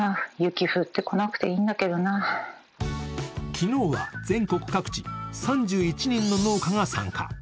昨日は全国各地３１人の農家が参加。